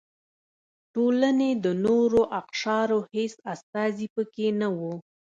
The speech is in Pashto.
ټولنې د نورو اقشارو هېڅ استازي پکې نه و.